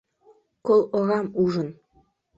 Кол орам ужын: